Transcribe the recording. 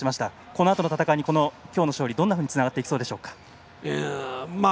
このあとの戦いに今日の勝利、どんなふうにつながっていきそうですか。